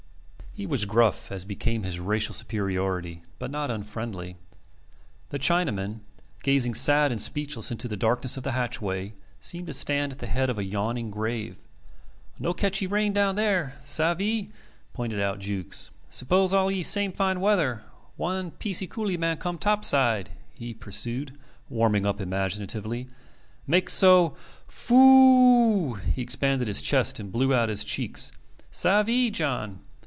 He was gruff, as became his racial superiority, but not unfriendly. The Chinaman, gazing sad and speechless into the darkness of the hatchway, seemed to stand at the head of a yawning grave. "No catchee rain down there savee?" pointed out Jukes. "Suppose all'ee same fine weather, one piecie coolie man come topside," he pursued, warming up imaginatively. "Make so Phooooo!" He expanded his chest and blew out his cheeks. "Savee, John?